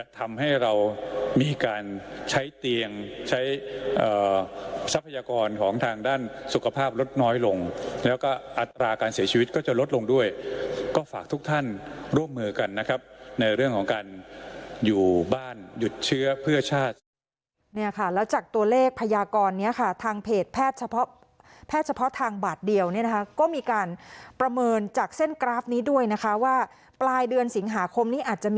ทำให้เรามีการใช้เตียงใช้ทรัพยากรของทางด้านสุขภาพลดน้อยลงแล้วก็อัตราการเสียชีวิตก็จะลดลงด้วยก็ฝากทุกท่านร่วมมือกันนะครับในเรื่องของการอยู่บ้านหยุดเชื้อเพื่อชาติเนี่ยค่ะแล้วจากตัวเลขพยากรเนี้ยค่ะทางเพจแพทย์เฉพาะแพทย์เฉพาะทางบาทเดียวเนี่ยนะคะก็มีการประเมินจากเส้นกราฟนี้ด้วยนะคะว่าปลายเดือนสิงหาคมนี้อาจจะมี